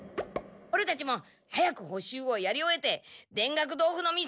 オレたちも早く補習をやり終えて田楽豆腐の店に行こう！